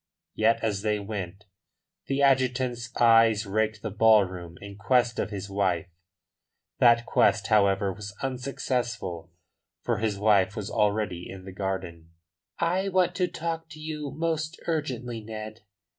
Yet as they went the adjutant's eyes raked the ballroom in quest of his wife. That quest, however, was unsuccessful, for his wife was already in the garden. "I want to talk to you most urgently, Ned.